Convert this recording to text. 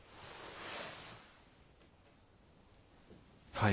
はい。